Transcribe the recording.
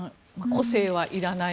個性はいらない